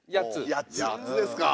八つですか。